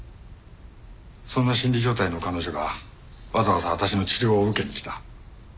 そんな心理状態の彼女がわざわざ私の治療を受けに来た。